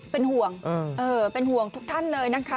เป็นห่วงเป็นห่วงทุกท่านเลยนะคะ